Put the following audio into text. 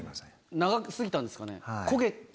長すぎたんですかね。